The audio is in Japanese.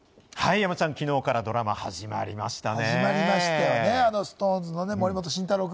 山ちゃん、昨日からドラマ始まりましたね。